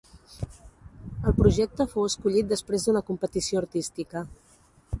El projecte fou escollit després d'una competició artística.